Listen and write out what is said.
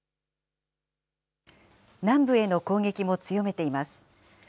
南部への攻撃も強めています。